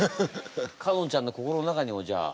かのんちゃんの心の中にもじゃあ。